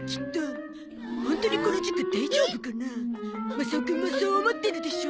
マサオくんもそう思ってるでしょ？